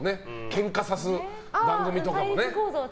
けんかさす番組とかもね。